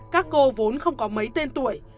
các cô vốn không có mấy tên tuổi